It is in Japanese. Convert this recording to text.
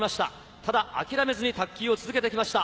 ただ諦めずに卓球を続けてきました。